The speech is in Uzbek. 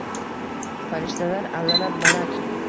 Farishtalar allalab, malak —